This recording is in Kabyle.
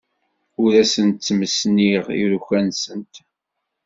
Ur asent-ttmesniɣ iruka-nsent.